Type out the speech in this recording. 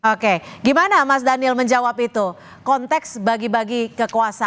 oke gimana mas daniel menjawab itu konteks bagi bagi kekuasaan